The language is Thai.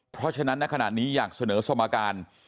เพราะฉะนั้นในขณะนี้อยากเสนอสมการ